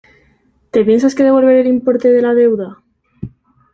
¿Te piensas que devolveré el importe de la deuda?